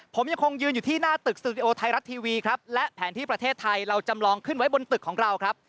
ผมยังคงยืนอยู่ที่หน้าตึกสตูดิโอไทยรัฐทีวีครับและแผนที่ประเทศไทยเราจำลองขึ้นไว้บนตึกของเราครับ